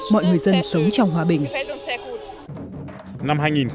mọi người dân sống trong hòa bình